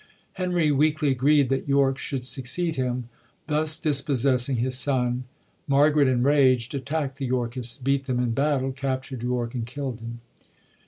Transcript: Henry weakly agreed that York should succeed him, thus dispossessing his son. Margaret, enraged, attackt the Yorkists, beat them in battle, captured York and killd him.